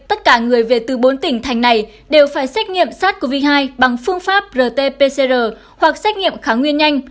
tất cả người về từ bốn tỉnh thành này đều phải xét nghiệm sars cov hai bằng phương pháp rt pcr hoặc xét nghiệm kháng nguyên nhanh